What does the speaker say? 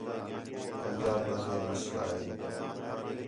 پنجاب تا ہِے مسئلہ ہِے